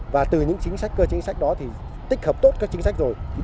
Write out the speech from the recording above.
và từ những cơ chế chính sách đó thì tích hợp tốt các chính sách rồi